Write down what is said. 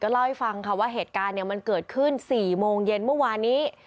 เล่าให้ฟังค่ะว่าเหตุการณ์มันเกิดขึ้น๔โมงเย็นเมื่อวานนี้